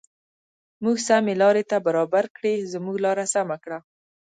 موږ سمې لارې ته برابر کړې زموږ لار سمه کړه.